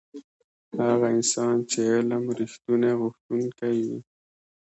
هغه انسان چې علم رښتونی غوښتونکی وي.